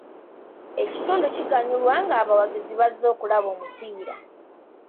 Ekitundu kiganyulwa ng'abawagizi bazze okulaba omupiira.